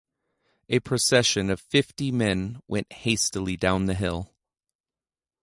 A procession of fifty men went hastily down the hill.